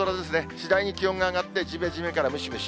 次第に気温が上がって、じめじめからムシムシ。